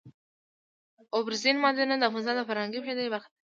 اوبزین معدنونه د افغانانو د فرهنګي پیژندنې برخه ده.